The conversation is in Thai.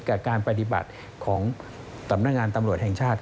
กับการปฏิบัติของสำนักงานตำรวจแห่งชาติ